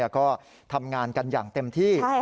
ก็ทำงานกันอย่างเต็มที่